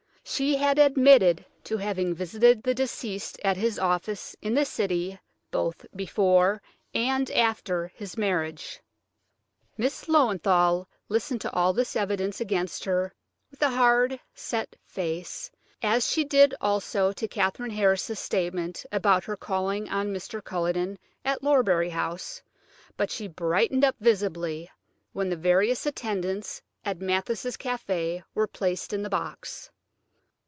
She had admitted to having visited the deceased at his office in the City, both before and after his marriage. Miss Löwenthal listened to all this evidence against her with a hard, set face, as she did also to Katherine Harris's statement about her calling on Mr. Culledon at Lorbury House, but she brightened up visibly when the various attendants at Mathis' café were placed in the box.